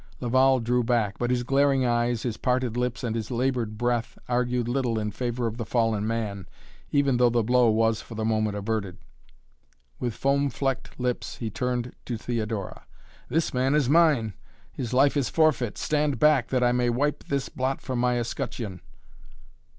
Laval drew back, but his glaring eyes, his parted lips and his labored breath argued little in favor of the fallen man, even though the blow was, for the moment, averted. With foam flecked lips he turned to Theodora. "This man is mine! His life is forfeit. Stand back, that I may wipe this blot from my escutcheon."